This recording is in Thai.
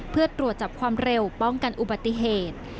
เพื่อตรวจจับความเร็วป้องกันอุบัติเหตุ